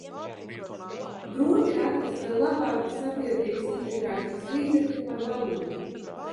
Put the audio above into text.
Grūti ir atrast vēl labāku sabiedrības integrācijas līdzekli par valodu.